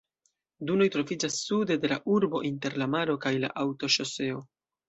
Dunoj troviĝas sude de la urbo, inter la maro kaj la aŭtoŝoseo.